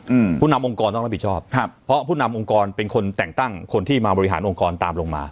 อืมผู้นำองค์กรต้องรับผิดชอบครับเพราะผู้นำองค์กรเป็นคนแต่งตั้งคนที่มาบริหารองค์กรตามลงมา